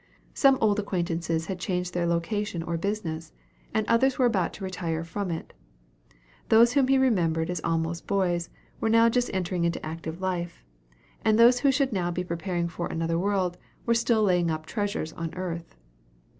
Some old acquaintances had changed their location or business, and others were about to retire from it. Those whom he remembered as almost boys, were now just entering into active life, and those who should now be preparing for another world were still laying up treasures on earth.